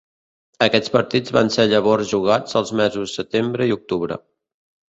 Aquests partits van ser llavors jugats als mesos setembre i octubre.